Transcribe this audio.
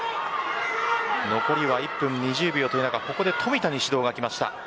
残りは１分２０秒という中冨田に指導がきました。